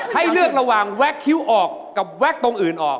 ให้เลือกระหว่างแก๊กคิ้วออกกับแก๊กตรงอื่นออก